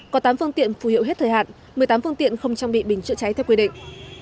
có tám phương tiện phù hiệu hết thời hạn một mươi tám phương tiện không trang bị bình chữa cháy theo quy định